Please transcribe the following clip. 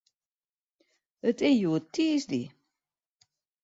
It is hjoed tiisdei.